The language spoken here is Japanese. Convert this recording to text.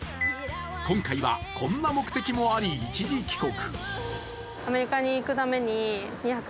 今回は、こんな目的もあり一時帰国。